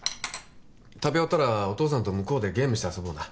食べ終わったらお父さんと向こうでゲームして遊ぼうな。